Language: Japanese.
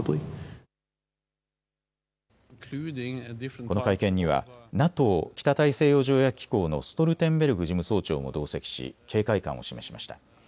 この会見にはＮＡＴＯ・北大西洋条約機構のストルテンベルグ事務総長も同席し警戒感を示しました。